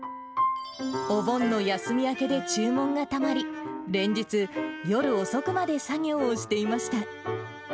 お盆の休み明けで注文がたまり、連日、夜遅くまで作業をしていました。